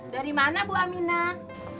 dari mana bu aminah